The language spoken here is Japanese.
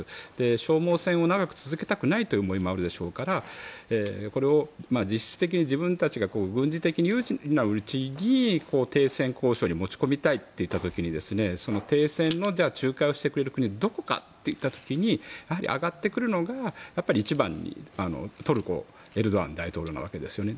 消耗戦を長く続けたくないという思いもあるでしょうからこれを実質的に自分たちが軍事的に有利なうちに停戦交渉に持ち込みたいといった時に停戦の仲介をしてくれる国がどこかといった時にやはり挙がってくるのが一番にトルコのエルドアン大統領のわけですね。